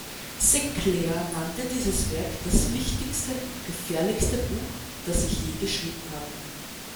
Sinclair nannte dieses Werk „das wichtigste und gefährlichste Buch, das ich je geschrieben habe“.